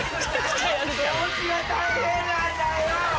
・・掃除が大変なんだよ！